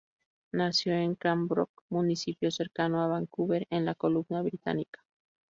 Nació en Cranbrook, municipio cercano a Vancouver en la Columbia Británica.